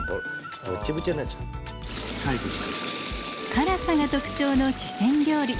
辛さが特徴の四川料理。